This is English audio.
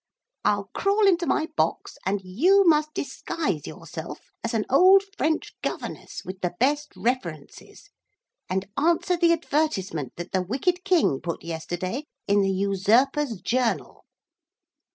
I'll crawl into my box, and you must disguise yourself as an old French governess with the best references and answer the advertisement that the wicked king put yesterday in the "Usurpers Journal."'